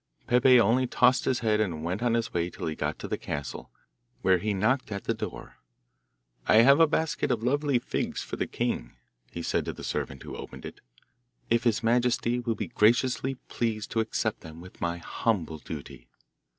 Peppe only tossed his head and went on his way till he got to the castle, where he knocked at the door. 'I have a basket of lovely figs for the king,' he said to the servant who opened it, 'if his majesty will be graciously pleased to accept them with my humble duty.